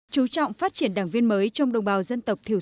chú trọng phát triển đảng viên mới trong đồng bào dân tộc thiểu số